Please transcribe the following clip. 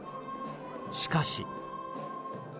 しかし。